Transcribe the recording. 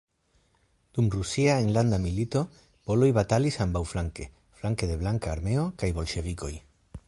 Dum Rusia Enlanda milito poloj batalis ambaŭflanke, flanke de Blanka armeo kaj bolŝevikoj.